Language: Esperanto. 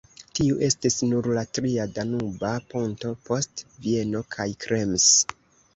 Tiu estis nur la tria Danuba ponto, post Vieno kaj Krems.